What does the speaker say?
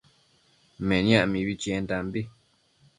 Meniac mibi chiendambi